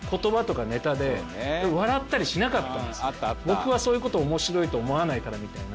「僕はそういう事面白いと思わないから」みたいな。